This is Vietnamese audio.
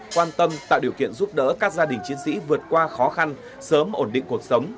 quan tâm tạo điều kiện giúp đỡ các gia đình chiến sĩ vượt qua khó khăn sớm ổn định cuộc sống